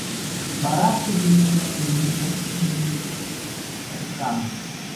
Barafu ziliweza kudumisha kipindi cha ukame